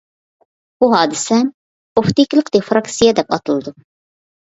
بۇ ھادىسە «ئوپتىكىلىق دىفراكسىيە» دەپ ئاتىلىدۇ.